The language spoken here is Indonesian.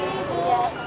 terima kasih bu